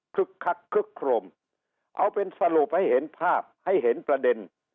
คักคึกโครมเอาเป็นสรุปให้เห็นภาพให้เห็นประเด็น